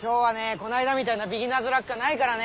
こないだみたいなビギナーズラックはないからね。